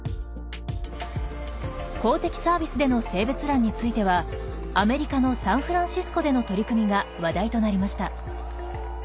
公的サービスでの性別欄についてはアメリカのサンフランシスコでの取り組みが話題となりました。